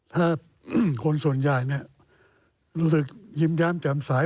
ท่านส่วนใหญ่ลูกศึกยิ้มยำจ้ำสาย